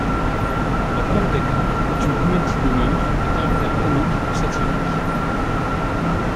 La Peur des coups est une comédie de mœurs à caractère comique ou satirique.